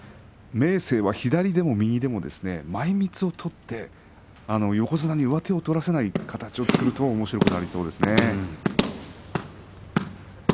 明生は右でも左でも前みつを取って、横綱に上手を取らせない形を作るとおもしろくなりそうですね。